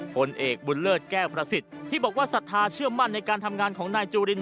ผลเอกบุญเลิศแก้วประสิทธิ์ที่บอกว่าศรัทธาเชื่อมั่นในการทำงานของนายจุลิน